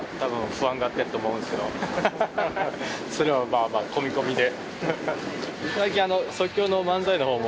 それはまあまあ込み込みで。